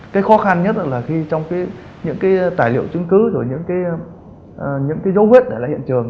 cái khó khăn nhất là khi trong những cái tài liệu chứng cứ rồi những cái dấu vết để lại hiện trường